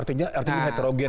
artinya artinya heterogen